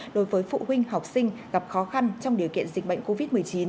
đối với phụ huynh học sinh gặp khó khăn trong điều kiện dịch bệnh covid một mươi chín